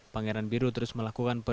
pangeran biru terus melakukan simulasi game